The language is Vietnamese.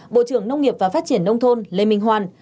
bộ trưởng nông nghiệp và phát triển nông thôn lê minh hoan